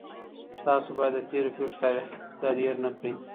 تاسو بايد د تېرو پېښو تاريخي امتداد هېر نه کړئ.